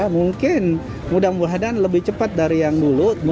mungkin mudah mudahan lebih cepat dari yang dulu